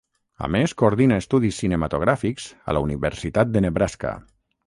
A més, coordina estudis cinematogràfics a la Universitat de Nebraska.